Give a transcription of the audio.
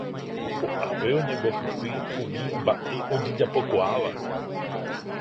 Koʼápe oñembohysýi umi mbaʼe ojejapokuaáva.